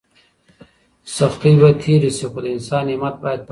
سختۍ به تېرې شي خو د انسان همت باید پاتې شي.